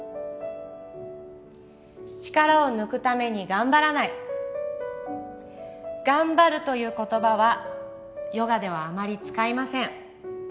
力を抜くために頑張らない頑張るという言葉はヨガではあまり使いません